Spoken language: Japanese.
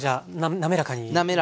滑らかに。